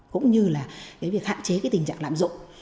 cũng như hạn chế tình trạng lạm dụng